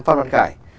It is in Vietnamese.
pháp luân khải